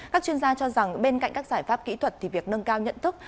các chuyên gia cho rằng bên cạnh các giải pháp kỹ thuật thì việc nâng cao nhận thức